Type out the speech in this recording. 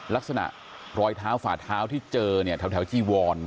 ลักษณะรอยเท้าฝาเท้าที่เจอแถวที่วร